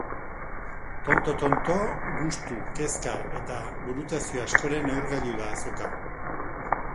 Tonto-tonto, gustu, kezka eta burutazio askoren neurgailu da azoka.